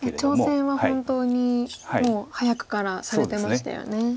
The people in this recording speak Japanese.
挑戦は本当にもう早くからされてましたよね。